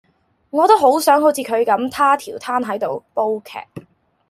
我都好想好似佢咁佗佻攤喺度煲劇